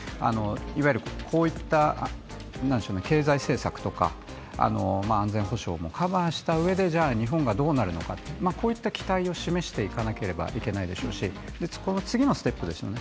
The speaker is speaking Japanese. こういった経済政策とか安全保障もカバーしたうえでじゃあ日本がどうなるのか、こういった期待を示していかなければいけないでしょうしこの次のステップですよね。